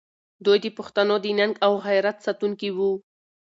دوی د پښتنو د ننګ او غیرت ساتونکي وو.